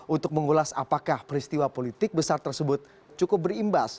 untuk mengulas apakah peristiwa politik besar tersebut cukup berimbas